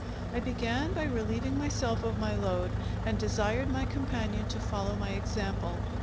I began by relieving myself of my load, and desired my companion to follow my example.